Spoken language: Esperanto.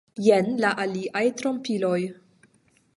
Jen la aliaj trompiloj.